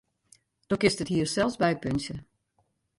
Do kinst it hier sels bypuntsje.